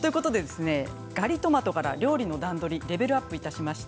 ガリトマトから料理の段取りがレベルアップします。